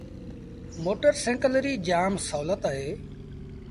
موٽر سآئيٚڪل ريٚ جآم سولت اهي۔